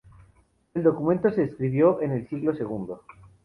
El documento se escribió en el siglo segundo.